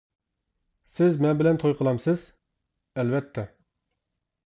-سىز مەن بىلەن توي قىلامسىز؟ -ئەلۋەتتە.